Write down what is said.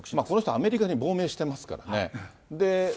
この人、アメリカに亡命してますからね。